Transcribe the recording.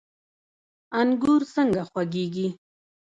انګور څنګه خوږیږي؟